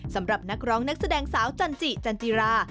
สำหรับนักร้องนักแสดงสาวจันจิจันจิรา